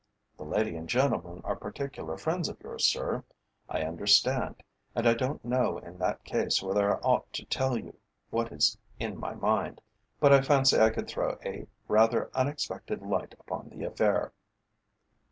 "The lady and gentleman are particular friends of yours, sir, I understand, and I don't know in that case whether I ought to tell you what is in my mind. But I fancy I could throw a rather unexpected light upon the affair."